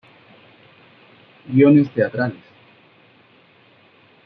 Guiones teatrales